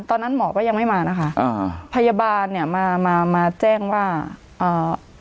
ตอนนั้นหมอก็ยังไม่มานะคะอ่าพยาบาลเนี้ยมามาแจ้งว่าอ่า